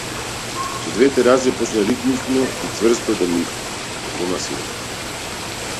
Со двете раце почна ритмично и цврсто да ми го масира.